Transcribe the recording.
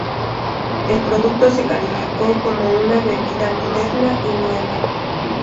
El producto se calificó como una bebida moderna y nueva.